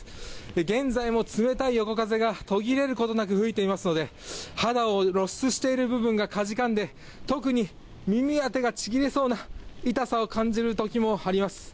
現在も冷たい横風が途切れることなく吹いていますので、肌を露出している部分がかじかんで、特に耳や手がちぎれそうな痛さを感じるときもあります。